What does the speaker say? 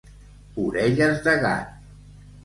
Orelles de gat.